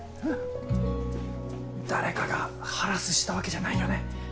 誰かがハラスしたわけじゃないよね？